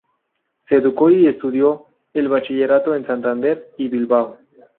Se educó y estudió el bachillerato en Santander y Bilbao.